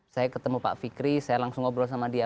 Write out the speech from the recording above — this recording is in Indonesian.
saya ketemu pak fikri saya langsung ngobrol sama dia